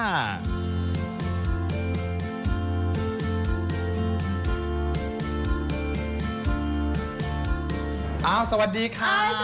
อ้าวสวัสดีค่ะ